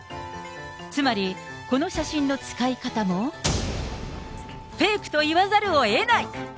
つまりこの写真の使い方も、フェイクと言わざるをえない。